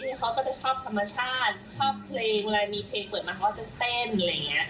นี่เขาก็จะชอบธรรมชาติชอบเพลงเวลามีเพลงเปิดมาเขาก็จะเต้นอะไรอย่างนี้